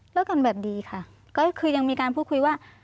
กันแบบดีค่ะก็คือยังมีการพูดคุยว่า